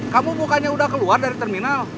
kamu bukannya udah keluar dari terminal